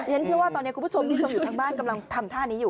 ฉันเชื่อว่าตอนนี้คุณผู้ชมที่ชมอยู่ทางบ้านกำลังทำท่านี้อยู่